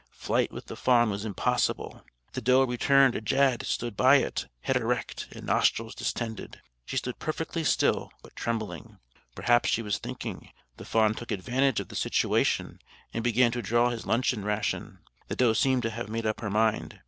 Flight with the fawn was impossible. The doe returned ajad stood by it, head erect, and nostrils distended. She stood perfectly still, but trembling. Perhaps she was thinking. The fawn took advantage of the situation, and began to draw his luncheon ration. The doe seemed to have made up her mind.